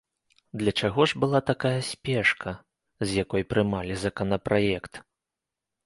Для чаго ж была тая спешка, з якой прымалі законапраект?